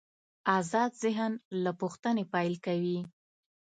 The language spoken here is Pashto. آزاد ذهن له پوښتنې پیل کوي.